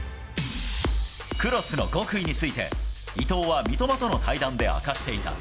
クロスの極意について、伊東は三笘との対談で明かしていた。